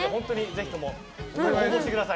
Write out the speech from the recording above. ぜひ応募してください。